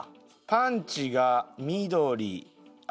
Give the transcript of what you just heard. パンチが緑青。